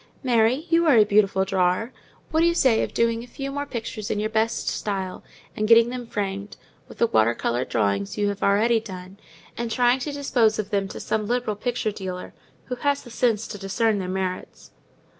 Mary, you are a beautiful drawer. What do you say to doing a few more pictures in your best style, and getting them framed, with the water coloured drawings you have already done, and trying to dispose of them to some liberal picture dealer, who has the sense to discern their merits?"